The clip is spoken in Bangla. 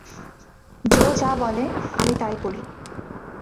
জো যা বলে আমি তাই করি।